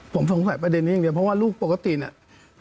ผมสงสัยประเด็นเดียวเพราะว่าลูกปกติเนี่ย